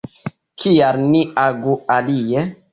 Kial ni agu alie?